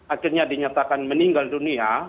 akhirnya dinyatakan meninggal dunia